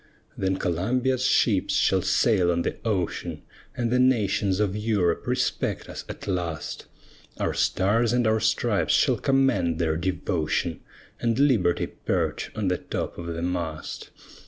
Then Columbia's ships shall sail on the ocean, And the nations of Europe respect us at last: Our stars and our stripes shall command their devotion, And Liberty perch on the top of the mast.